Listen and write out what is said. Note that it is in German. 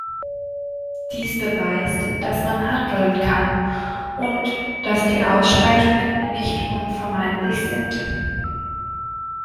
Dies beweist, dass man handeln kann und dass die Ausschreitungen nicht unvermeidlich sind.